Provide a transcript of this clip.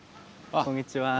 こんにちは。